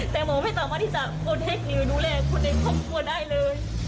แต่หมอไม่สามารถที่จะกดเท็จหรือดูแลคนในความกลัวได้เลย